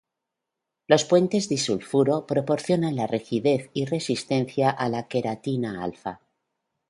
Los puentes disulfuro proporcionan la rigidez y resistencia a la queratina alfa.